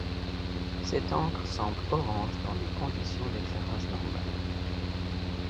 Cette encre semble orange dans des conditions d'éclairage normales.